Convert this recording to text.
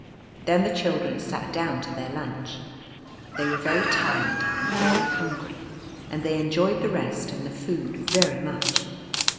Then the children sat down to their lunch. They were very tired and very hungry, and they enjoyed the rest and the food very much.